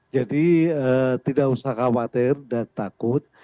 jadi tidak usah khawatir dan takut